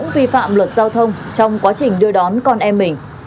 vi phạm luật giao thông trong quá trình đưa đón con em mình